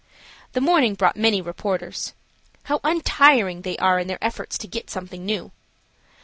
The morning brought many reporters. How untiring they are in their efforts to get something new.